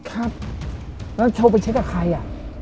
ครับแล้วโทรไปเช็คกับใครอ่ะ